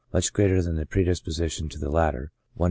much greater than the predisposition to the latter, (i D.